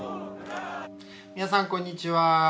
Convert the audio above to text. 皆さんこんにちは。